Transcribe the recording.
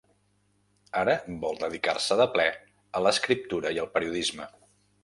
Ara vol dedicar-se de ple a l'escriptura i el periodisme.